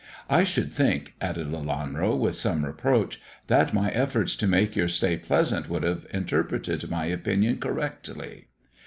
I should think/' added Lelanro, with some reproach, "that my efforts to make your stay pleasant would have interpreted my opinion correctly."